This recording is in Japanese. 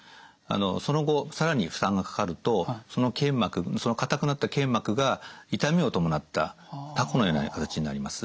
その後更に負担がかかるとその硬くなった腱膜が痛みを伴ったたこのような形になります。